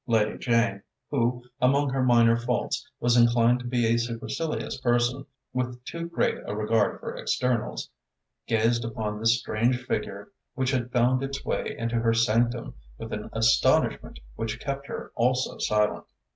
Lady Jane, who, among her minor faults, was inclined to be a supercilious person, with too great a regard for externals, gazed upon this strange figure which had found its way into her sanctum with an astonishment which kept her also silent.